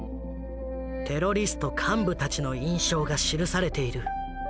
テロリスト幹部たちの印象が記されている。